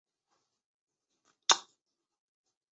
掌叶悬钩子是蔷薇科悬钩子属的植物。